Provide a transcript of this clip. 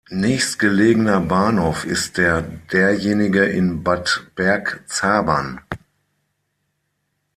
Nächstgelegener Bahnhof ist der derjenige in Bad Bergzabern.